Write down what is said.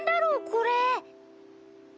これ。